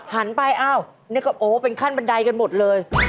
หันไปอ้าวนี่ก็โอ้เป็นขั้นบันไดกันหมดเลย